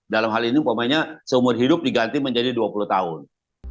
dalam hal ini umpamanya seumur hidup diganti menjadi dua puluh tahun